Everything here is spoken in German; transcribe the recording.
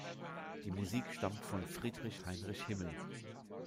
Die Musik stammt von Friedrich Heinrich Himmel.